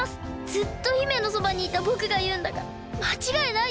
ずっと姫のそばにいたぼくがいうんだからまちがいないです。